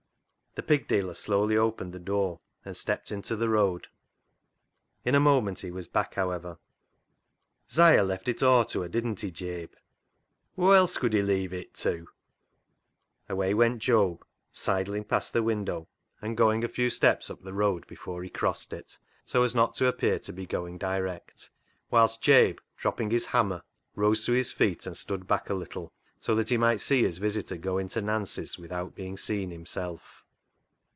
The pig dealer slowly opened the door and stepped into the road. In a moment he was back, however —" 'Siah left it aw to her, didn't he, Jabe ?"" Whoa else could he leave it tew ?" Away went Job, sidling past the window, and going a few steps up the road before he crossed it, so as not to appear to be going direct ; whilst Jabe, dropping his hammer, rose to his feet and stood back a little, so that he might see his visitor go into Nancy's without being seen himself.